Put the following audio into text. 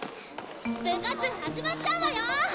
部活始まっちゃうわよ！